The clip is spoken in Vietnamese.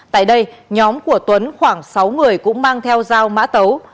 tại đây nhóm của tuấn khoảng sáu người cũng mang theo dao mã tấu